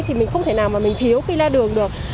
thì mình không thể nào mà mình thiếu khi ra đường được